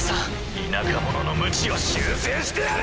田舎者の無知を修正してやる！